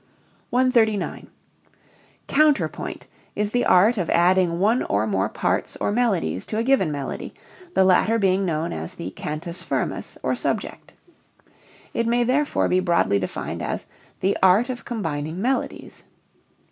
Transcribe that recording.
139. Counterpoint is the art of adding one or more parts or melodies to a given melody, the latter being known as the "cantus firmus," or subject. It may therefore be broadly defined as "the art of combining melodies."